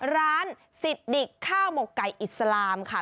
ร้านสิดดิกข้าวหมกไก่อิสลามค่ะ